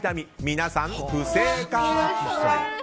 皆さん不正解。